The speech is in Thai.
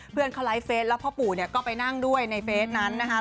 เพื่อนเขาไลฟ์เฟสแล้วพ่อปู่เนี่ยก็ไปนั่งด้วยในเฟสนั้นนะคะ